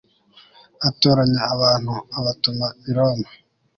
atoranya abantu abatuma i roma